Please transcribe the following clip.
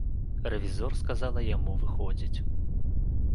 Рэвізор сказала яму выходзіць.